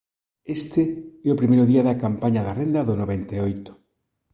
Este é o primeiro día da campaña da Renda do noventa e oito